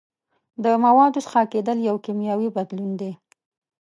د موادو خسا کیدل یو کیمیاوي بدلون دی.